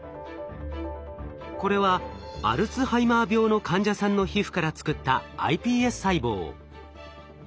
これはアルツハイマー病の患者さんの皮膚から作ったｉＰＳ細胞。